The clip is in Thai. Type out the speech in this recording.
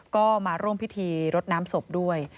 ก็มาร่วมพิธีรดน้ำศพด้วย